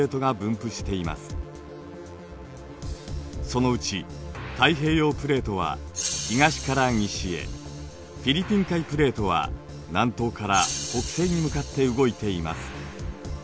そのうち太平洋プレートは東から西へフィリピン海プレートは南東から北西に向かって動いています。